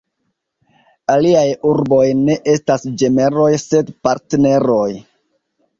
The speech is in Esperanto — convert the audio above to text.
Aliaj urboj ne estas ĝemeloj sed partneroj.